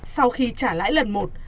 sau khi trả lãi lần một